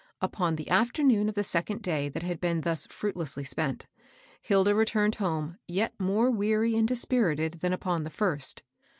Upon the afternoon of the second day that had been thus fruitlessly spent, Hilda returned home yet more weary and dispirited than upon the first.